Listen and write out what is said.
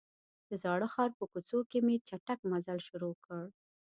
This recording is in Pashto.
د زاړه ښار په کوڅو کې مې چټک مزل شروع کړ.